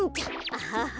アハハ！